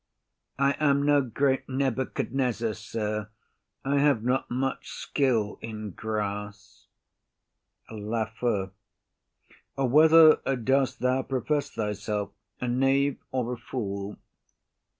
I am no great Nebuchadnezzar, sir; I have not much skill in grass. LAFEW. Whether dost thou profess thyself,—a knave or a fool?